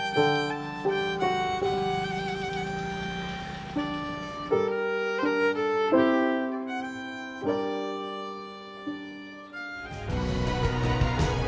tapi kebetulan tidak